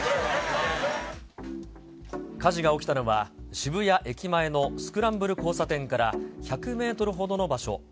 火事が起きたのは、渋谷駅前のスクランブル交差点から１００メートルほどの場所。